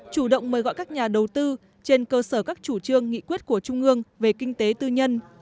chủ động mời gọi các nhà đầu tư trên cơ sở các chủ trương nghị quyết của trung ương về kinh tế tư nhân